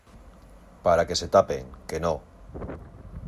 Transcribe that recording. para que se tapen. que no .